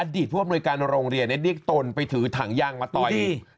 อดีตพวกมวยการโรงเรียนได้เด็กตนไปถือถังยางมะตอย